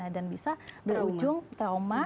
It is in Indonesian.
dan bisa berujung trauma